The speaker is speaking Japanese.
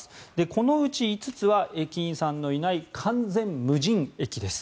このうち５つは駅員さんのいない完全無人駅です。